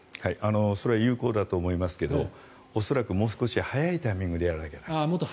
それは有効だと思いますけど恐らくもう少し早いタイミングでやらないといけない。